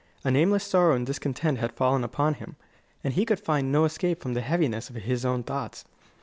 A nameless sorrow and discontent had fallen upon him, and he could find no escape from the heaviness of his own thoughts.